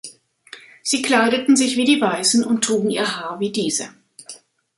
Sie kleideten sich wie die Weißen und trugen ihr Haar wie diese.